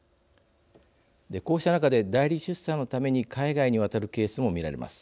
こうした中で代理出産のために海外に渡るケースも見られます。